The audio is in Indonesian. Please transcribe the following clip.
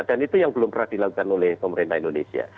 dan itu yang belum pernah dilakukan oleh pemerintah indonesia